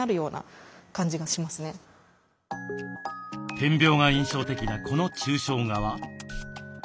点描が印象的なこの抽象画は？